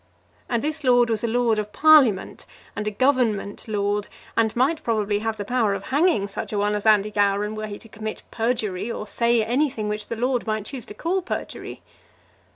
And this lord was a lord of Parliament, and a government lord, and might probably have the power of hanging such a one as Andy Gowran were he to commit perjury, or say anything which the lord might choose to call perjury.